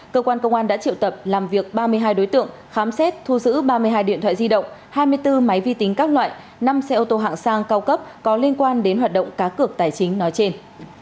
cơ quan công an đã triệu tập làm việc ba mươi hai đối tượng khám xét thu giữ ba mươi hai điện thoại di động hai mươi bốn máy vi tính các loại năm xe ô tô hạng sang cao cấp có liên quan đến hoạt động cá cược tài chính nói trên